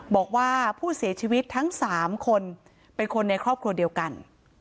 บอกว่าผู้เสียชีวิตทั้ง๓คนเป็นคนในครอบครัวเดียวกัน